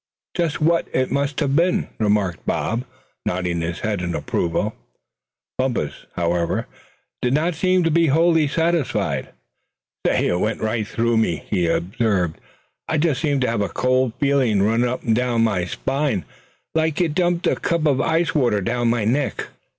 "Just what it must have been," remarked Bob, nodding his head in approval. Bumpus, however, did not seem to be wholly satisfied. "Say, it went right through me," he observed. "I just seemed to have a cold feeling run up and down my spine, like you'd emptied a cup of ice water down my neck.